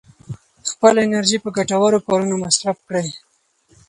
خپله انرژي په ګټورو کارونو مصرف کړئ.